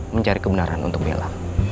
mencari kebenaran untuk bella